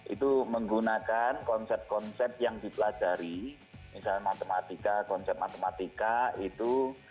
itu menggunakan konsep konsep yang dipelajari misalnya matematika konsep matematika itu